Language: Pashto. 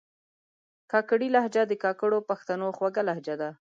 کاکړۍ لهجه د کاکړو پښتنو خوږه لهجه ده